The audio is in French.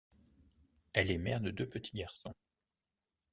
Elle est mère de deux petits garçons.